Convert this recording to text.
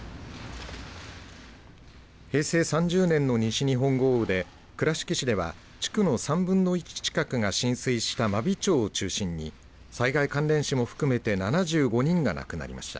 平成３０年の西日本豪雨で、倉敷市では地区の３分の１近くが浸水した真備町を中心に災害関連死も含めて７５人が亡くなりました。